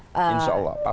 insya allah pasti